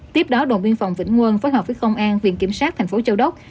tiếp đó động biên phòng vĩnh ngương phối hợp với công an viện kiểm sát thành phố châu đốc